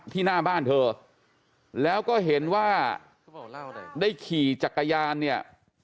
หน้าบ้านเธอแล้วก็เห็นว่าได้ขี่จักรยานเนี่ย